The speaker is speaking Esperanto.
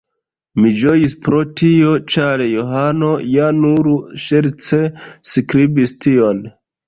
Mi ĝojis pro tio, ĉar Johano ja nur ŝerce skribis tion.